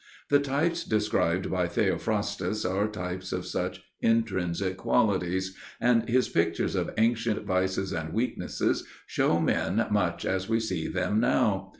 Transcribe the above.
The types described by Theophrastus are types of such intrinsic qualities, and his pictures of ancient vices and weaknesses show men much as we see them now.